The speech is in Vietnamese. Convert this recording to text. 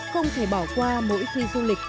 không thể bỏ qua mỗi khi du lịch